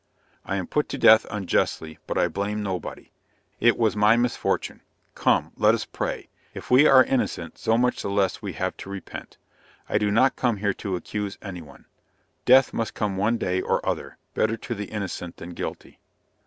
I am put to death unjustly, but I blame nobody. It was my misfortune. Come, let us pray. If we are innocent, so much the less we have to repent. I do not come here to accuse any one. Death must come one day or other; better to the innocent than guilty."